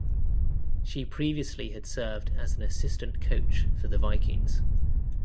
She previously had served as an assistant coach for the Vikings.